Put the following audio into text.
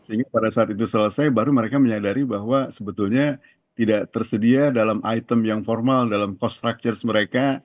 sehingga pada saat itu selesai baru mereka menyadari bahwa sebetulnya tidak tersedia dalam item yang formal dalam cost structures mereka